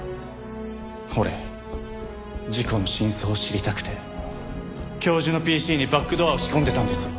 俺事故の真相を知りたくて教授のＰＣにバックドアを仕込んでたんですよ。